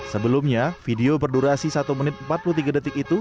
sebelumnya video berdurasi satu menit empat puluh tiga detik itu